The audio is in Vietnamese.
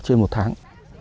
trên một tháng